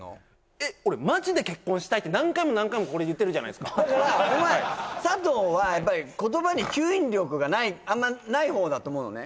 えっ俺マジで結婚したいって何回も何回もここで言ってるじゃないですかだからお前佐藤はやっぱりあんまない方だと思うのね